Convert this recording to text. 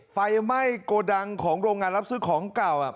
ไฟไหม้โกดังของโรงงานรับซื้อของเก่า